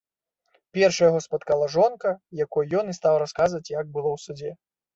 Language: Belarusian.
Першая яго спаткала жонка, якой ён і стаў расказваць, як было ў судзе.